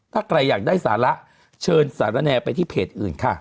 ถ้าใครอยากได้สาระเชิญสารแนไปที่เพจอื่นค่ะ